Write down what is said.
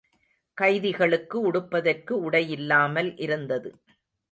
கைதிகளுக்கு உடுப்பதற்கு உடை இல்லாமல் இருந்தது.